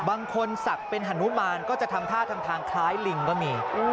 บางคนศักดิ์เป็นฮนุมานก็จะทำท่าทำทางคล้ายลิงก็มี